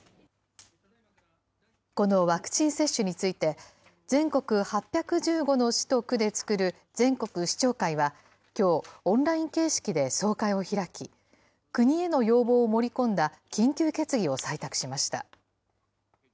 このワクチン接種について、全国８１５の市と区で作る全国市長会は、きょう、オンライン形式で総会を開き、国への要望を盛り込んだ緊急決議を採択しました。